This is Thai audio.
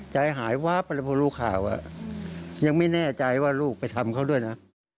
ใจหายวับเลยพอรู้ข่าวยังไม่แน่ใจว่าลูกไปทำเขาด้วยนะ